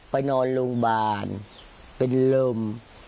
ไปนอนโรงพยาบาลเป็นลม